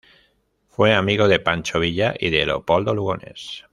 Fue amigo de Pancho Villa y de Leopoldo Lugones.